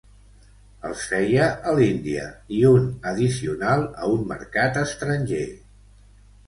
Els feia a l'Índia i un addicional a un mercat estranger.